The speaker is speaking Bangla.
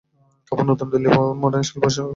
কাপুর নতুন দিল্লির মডার্ন স্কুলে পড়াশোনা করেছেন।